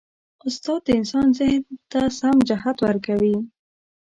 استاد د انسان ذهن ته سم جهت ورکوي.